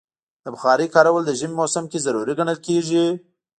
د بخارۍ کارول د ژمي موسم کې ضروری ګڼل کېږي.